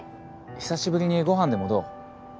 久しぶりにご飯でもどう？